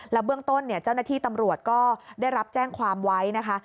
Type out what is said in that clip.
เบื้องต้นเจ้าหน้าที่ตำรวจก็ได้รับแจ้งความไว้นะคะ